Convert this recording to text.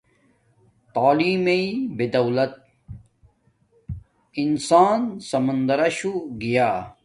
تعیلم میے بدولت انسان سمندراشو گیا